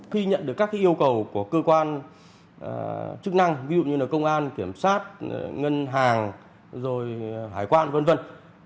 khi nhận được các yêu cầu của cơ quan chức năng ví dụ như là công an kiểm sát ngân hàng rồi hải quan v v